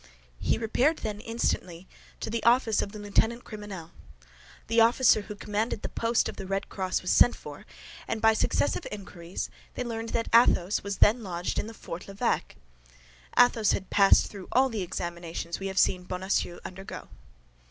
He repaired, then, instantly to the office of the lieutenant criminel. The officer who commanded the post of the Red Cross was sent for, and by successive inquiries they learned that Athos was then lodged in Fort l'Evêque. Athos had passed through all the examinations we have seen Bonacieux undergo.